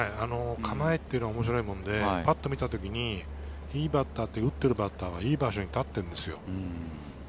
構えっていうのは面白いもんで、パッと見た時にいいバッター、打っているバッターは、いいところに立っているんですよ。